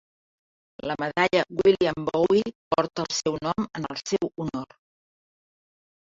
La Medalla William Bowie porta el seu nom en el seu honor.